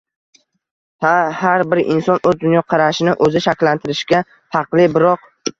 Ha, har bir inson o‘z dunyoqarashini o‘zi shakllantirishga haqli. Biroq...